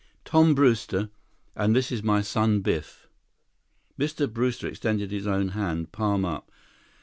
"Tom Brewster. And this is my son Biff." Mr. Brewster extended his own hand, palm up.